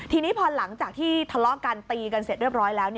ทีนี้พอหลังจากที่ทะเลาะกันตีกันเสร็จเรียบร้อยแล้ว